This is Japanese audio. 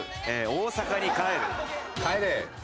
大阪に帰れ！」。